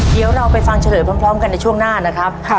เดี๋ยวเราไปฟังเฉลยพร้อมกันในช่วงหน้านะครับ